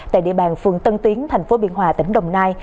tại địa bàn phường tân tiến tp biên hòa tỉnh đồng nai